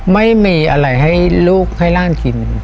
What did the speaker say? ไม่มีอะไรให้ลูกให้ร่างกิน